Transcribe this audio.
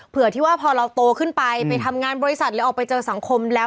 ที่ว่าพอเราโตขึ้นไปไปทำงานบริษัทหรือออกไปเจอสังคมแล้ว